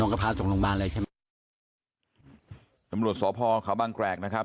น้องกระพาจากโรงพยาบาลเลยใช่ไหมน้ำหลวงสอบภอร์ขาวบ้างแกรกนะครับ